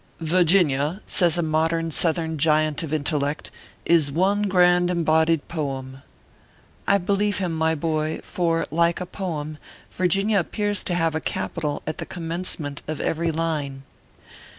" Virginia," says a modern Southern giant of intel lect, "is one grand embodied poem." I believe him, my boy ; for, like a poem, Virginia appears to have a capital at the commencement of every line.